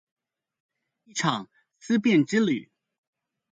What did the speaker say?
一場思辨之旅